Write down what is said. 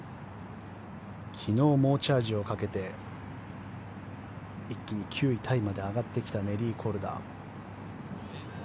昨日、猛チャージをかけて一気に９位タイまで上がってきたネリー・コルダ。